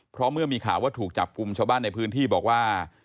เพราะเมื่อมีข่าวว่าถูกจับกลุ่มชาวบ้านในพื้นที่บอกว่า